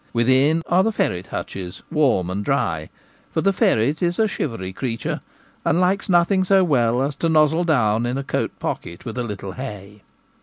Within are the ferret hutches, warm and dry ; for the ferret is a shivery creature, and likes nothing so well as to nozzle down in a coat pocket with a little hay.